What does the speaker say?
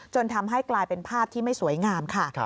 ทำให้กลายเป็นภาพที่ไม่สวยงามค่ะ